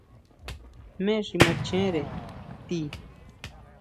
¿Jmé xi machjere ti?